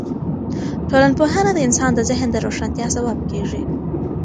ټولنپوهنه د انسان د ذهن د روښانتیا سبب کیږي.